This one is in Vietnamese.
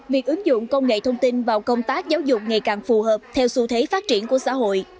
việc ứng dụng công nghệ thông tin vào công tác giáo dục ngày càng phù hợp theo xu thế phát triển của xã hội